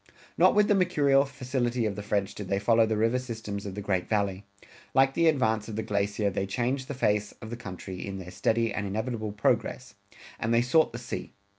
Not with the mercurial facility of the French did they follow the river systems of the Great Valley. Like the advance of the glacier they changed the face of the country in their steady and inevitable progress, and they sought the sea.